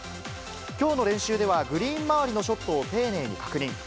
きょうの練習ではグリーン周りのショットを丁寧に確認。